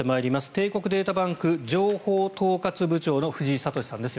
帝国データバンク情報統括部長の藤井俊さんです。